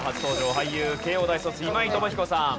俳優慶應大卒今井朋彦さん。